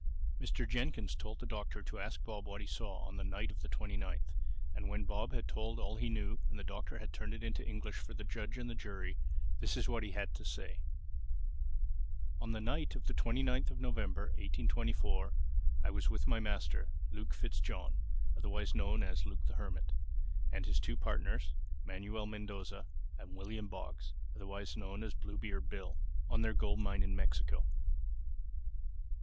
Mr. Jenkyns told the Doctor to ask Bob what he saw on the "night of the 29th;" and when Bob had told all he knew and the Doctor had turned it into English for the judge and the jury, this was what he had to say: "On the night of the 29th of November, 1824, I was with my master, Luke Fitzjohn (otherwise known as Luke the Hermit) and his two partners, Manuel Mendoza and William Boggs (otherwise known as Bluebeard Bill) on their gold mine in Mexico.